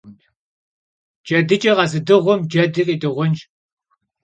Cedıç'e khezıdığum cedi khidığunş.